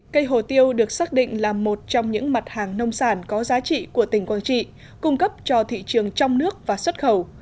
cây hồ tiêu được xác định là một trong những mặt hàng nông sản có giá trị của tỉnh quảng trị cung cấp cho thị trường trong nước và xuất khẩu